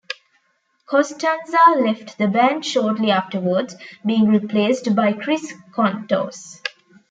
Costanza left the band shortly afterwards, being replaced by Chris Kontos.